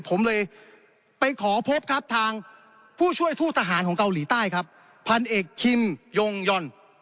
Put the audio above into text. ผมเลยไปขอพบครับทางผู้ช่วยทูตทหารของเกาหลีใต้ครับพันเอกคิมยงหย่อน